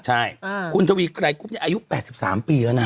ใช่คุณทวีไกรคุบอายุ๘๓ปีแล้วนะ